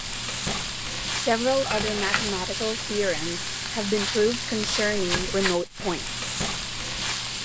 Several other mathematical theorems have been proved concerning remote points.